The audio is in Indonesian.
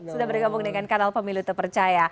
sudah bergabung dengan kanal pemilu terpercaya